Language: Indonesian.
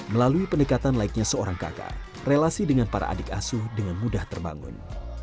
melalui pendekatan laiknya seorang kakak relasi dengan para adik asuh dengan mudah terbangun